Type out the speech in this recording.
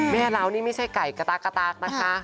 แม่เหล้านี่ไม่ใช่ไก่กะตักนะคะ